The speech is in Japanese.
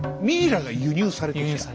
ミイラが輸入されていた。